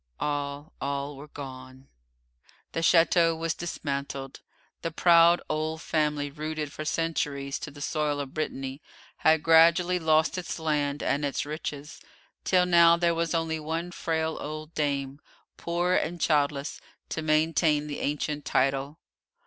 All, all were gone. The château was dismantled. The proud old family, rooted for centuries to the soil of Brittany, had gradually lost its land and its riches, till now there was only one frail old dame, poor and childless, to maintain the ancient title.